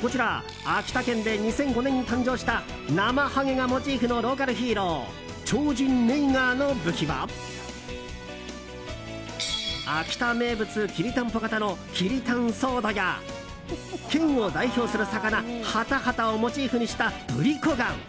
こちら、秋田県で２００５年に誕生したなまはげがモチーフのローカルヒーロー超人ネイガーの武器は秋田名物きりたんぽ型のキリタンソードや県を代表する魚ハタハタをモチーフにしたプリコガン。